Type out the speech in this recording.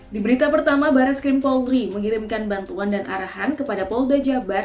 di berita pertama barreskrim paul ri mengirimkan bantuan dan arahan kepada paul dajabar